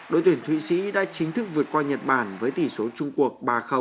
đội tuyển thụy sĩ đã chính thức vượt qua nhật bản với tỷ số trung quốc ba